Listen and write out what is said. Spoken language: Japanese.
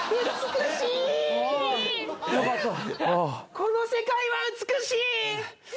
この世界は美しい！